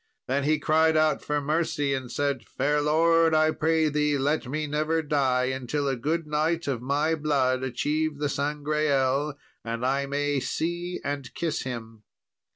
Then he cried out for mercy, and said, 'Fair Lord, I pray thee let me never die until a good knight of my blood achieve the Sangreal, and I may see and kiss him.'